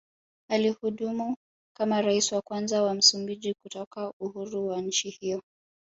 Alihudumu kama Rais wa kwanza wa Msumbiji kutoka uhuru wa nchi hiyo